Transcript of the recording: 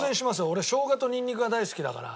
俺生姜とニンニクが大好きだから。